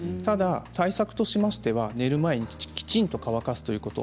対策としましては寝る前にきちんと乾かすこと。